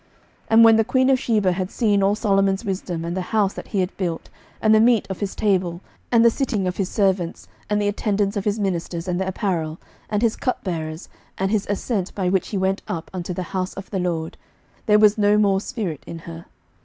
11:010:004 And when the queen of Sheba had seen all Solomon's wisdom, and the house that he had built, 11:010:005 And the meat of his table, and the sitting of his servants, and the attendance of his ministers, and their apparel, and his cupbearers, and his ascent by which he went up unto the house of the LORD; there was no more spirit in her.